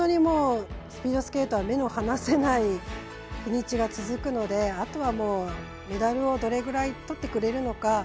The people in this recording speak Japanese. スピードスケートは目の離せない日にちが続くのであとは、メダルをどれぐらいとってくれるのか。